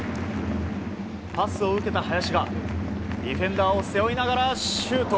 パスを受けた林がディフェンダーを背負いながらシュート！